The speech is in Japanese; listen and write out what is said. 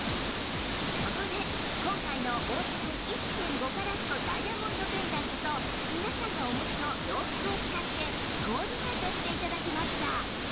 そこで今回の大粒 １．５ カラットダイヤモンドペンダントと皆さんがお持ちの洋服を使ってコーディネートして頂きました